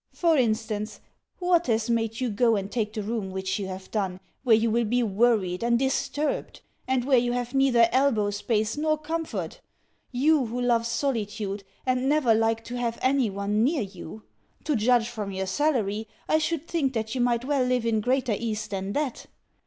For instance, what has made you go and take the room which you have done, where you will be worried and disturbed, and where you have neither elbow space nor comfort you who love solitude, and never like to have any one near you? To judge from your salary, I should think that you might well live in greater ease than that.